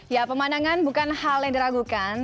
ya pemandangan bukan hal yang diragukan